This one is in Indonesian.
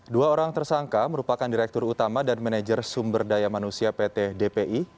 dua orang tersangka merupakan direktur utama dan manajer sumber daya manusia pt dpi